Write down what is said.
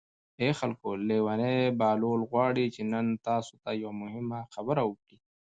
ای خلکو لېونی بهلول غواړي چې نن تاسو ته یوه مهمه خبره وکړي.